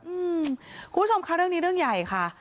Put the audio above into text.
คุณผู้ชมค่ะเรื่องนี้เรื่องใหญ่ค่ะ